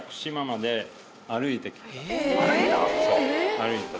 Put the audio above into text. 歩いた？